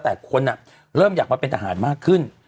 แต่คนเริ่มอยากมาเป็นทหารมากขึ้น